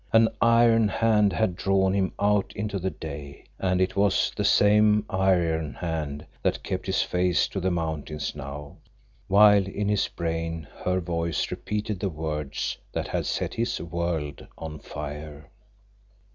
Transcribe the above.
An iron hand had drawn him out into the day, and it was the same iron hand that kept his face to the mountains now, while in his brain her voice repeated the words that had set his world on fire.